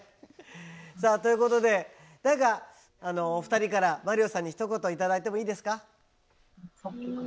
さあということで何かお二人からマリオさんにひと言頂いてもいいですか。